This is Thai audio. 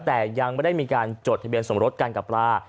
แต่ยังไม่ได้มีการจดทะเบียนสมรสกันกับปลา